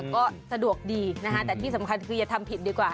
ก็สะดวกดีนะฮะแต่ที่สำคัญคืออย่าทำผิดดีกว่า